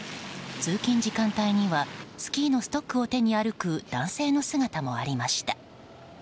通勤時間帯にはスキーのストックを手に歩く男性の姿もありました。